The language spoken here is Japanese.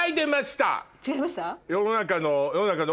違いました？